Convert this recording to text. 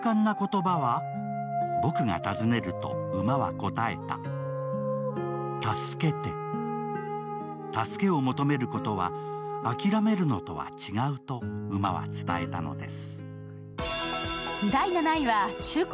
例えば助けを求めることは諦めるのとは違うと馬は伝えたのです。